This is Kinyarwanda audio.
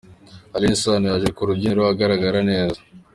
Alyn Sano yaje ku rubyiniro agaragara neza.